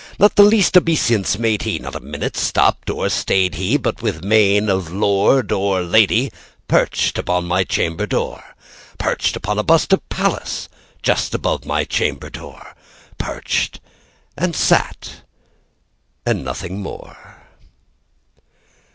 Not the least obeisance made he; not a minute stopped or stayed he; But, with mien of lord or lady, perched above my chamber door, Perched upon a bust of Pallas just above my chamber door:Perched, and sat, and nothing more.